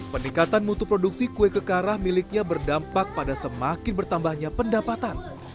peningkatan mutu produksi kue kekarah miliknya berdampak pada semakin bertambahnya pendapatan